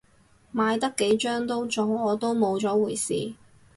買得幾張都中，我都冇咗回事